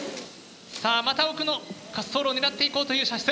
さあまた奥の滑走路を狙っていこうという射出。